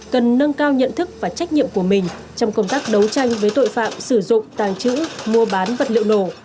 cần nâng cao nhận thức và trách nhiệm của mình trong công tác đấu tranh với tội phạm sử dụng tàng trữ mua bán vật liệu nổ